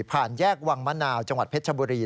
แยกวังมะนาวจังหวัดเพชรชบุรี